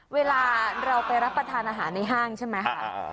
เวลาเราไปรับประทานอาหารในห้างใช่ไหม